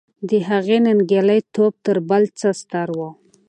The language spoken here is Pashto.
د هغې ننګیالی توب تر بل څه ستر و.